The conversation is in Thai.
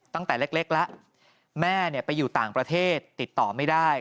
ตั้งแต่เล็กแล้วแม่ไปอยู่ต่างประเทศติดต่อไม่ได้